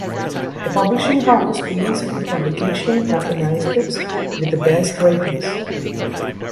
The publishing house pays for the publication of the manuscripts with the best ratings.